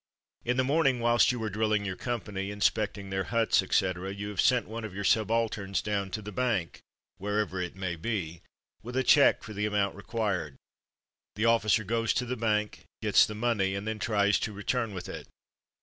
In the morning, whilst you are drilling your company, inspecting their huts, etc., you have sent one of your subalterns down to the bank, wherever it may be, with a cheque for the amount required. This officer goes to the bank, gets the money, and then tries to return with it.